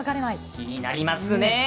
気になりますね。